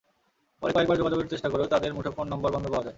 পরে কয়েকবার যোগাযোগের চেষ্টা করেও তাঁদের মুঠোফোন নম্বর বন্ধ পাওয়া যায়।